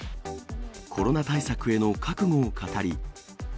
コロナ禍対策への覚悟を語り。